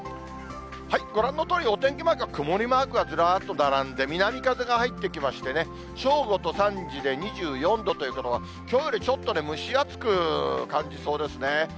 ご覧のとおり、お天気マークは曇りマークがずらっと並んで、南風が入ってきましてね、正午と３時で２４度ということは、きょうよりちょっと蒸し暑く感じそうですね。